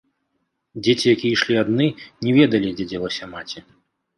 Дзеці, якія ішлі адны, не ведалі, дзе дзелася маці.